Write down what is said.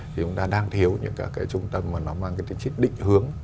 thì chúng ta đang thiếu những các trung tâm mà nó mang cái tính chức định hướng